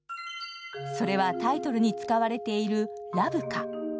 それはタイトルに使われているラブカ。